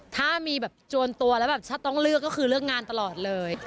ถ้ามีแบบจวนตัวแล้วแบบถ้าต้องเลือกก็คือเลือกงานตลอดเลย